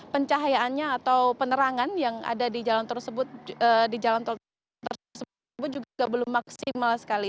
pencahayaannya atau penerangan yang ada di jalan tol tersebut juga belum maksimal sekali